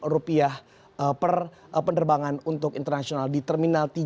rp lima per penerbangan untuk internasional di terminal tiga